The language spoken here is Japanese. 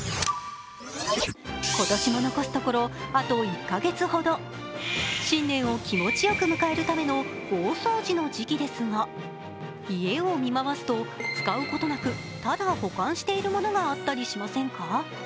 今年も残すところあと１か月ほど新年を気持ちよく迎えるための大掃除の時期ですが家を見回すと、使うことなくただ保管しているものがあったりしませんか？